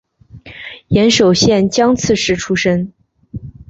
岩手县江刺市出身。